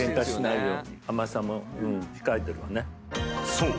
［そう。